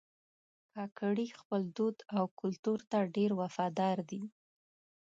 کاکړي خپل دود او کلتور ته ډېر وفادار دي.